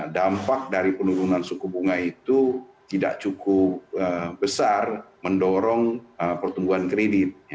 dampak dari penurunan suku bunga itu tidak cukup besar mendorong pertumbuhan kredit